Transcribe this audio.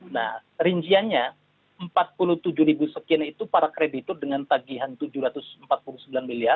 nah rinciannya rp empat puluh tujuh ribu sekian itu para kreditur dengan tagihan rp tujuh ratus empat puluh sembilan miliar